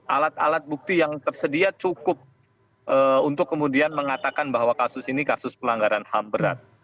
alat alat bukti yang tersedia cukup untuk kemudian mengatakan bahwa kasus ini kasus pelanggaran ham berat